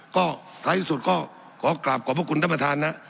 ก็ท้ายที่สุดก็ขอกลับขอบพระคุณท่านประธานนะ